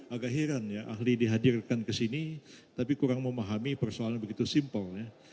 agak heran ya ahli dihadirkan ke sini tapi kurang memahami persoalan begitu simpel ya